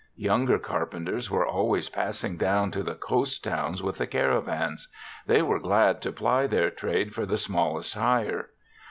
Younger carpen ters were always passing down to the coast towns with the caravans; they were glad to ply their trade for the smallest hire.